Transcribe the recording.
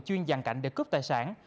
chuyên giàn cảnh để cướp tài sản